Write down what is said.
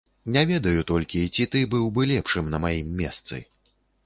Не ведаю толькі, ці ты быў бы лепшым, на маім месцы.